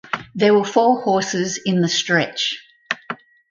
There were four horses in the stretch.